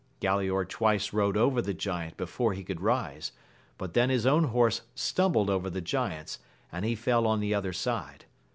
Galaor twice rode over the giant before he could rise ; but then his own horse stumbled over the giant's, and he fell on the other side.